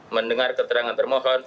mendengar keterangan termohon